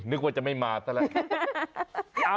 เฮ้ยนึกว่าจะไม่มาตั้งแต่แล้ว